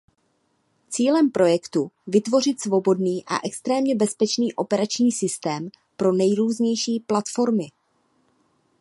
Cílem projektu vytvořit svobodný a extrémně bezpečný operační systém pro nejrůznější platformy.